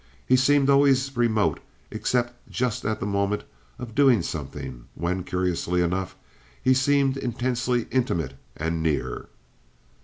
He seemed always remote except just at the moment of doing something, when, curiously enough, he seemed intensely intimate and near.